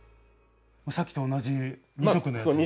さっきと同じ２色のやつですね。